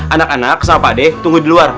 anak anak sama pak d tunggu di luar